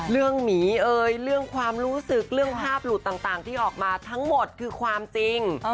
หมีเอ่ยเรื่องความรู้สึกเรื่องภาพหลุดต่างที่ออกมาทั้งหมดคือความจริง